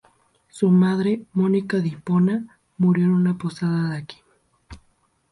Su madre, Mónica de Hipona, murió en una posada de aquí.